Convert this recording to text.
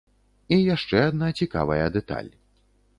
І яшчэ адна цікавая дэталь.